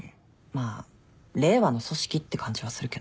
まあ令和の組織って感じはするけど。